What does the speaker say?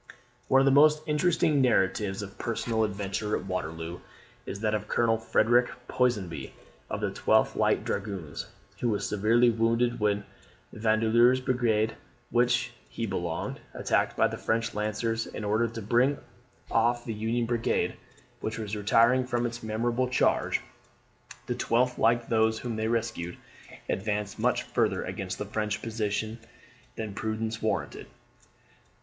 One of the most interesting narratives of personal adventure at Waterloo, is that of Colonel Frederick Ponsonby, of the 12th Light Dragoons, who was severely wounded when Vandeleur's brigade, to which he belonged, attacked the French lancers, in order to bring off the Union Brigade, which was retiring from its memorable charge. [See p. 361, SUPRA.] The 12th, like those whom they rescued, advanced much further against the French position than prudence warranted.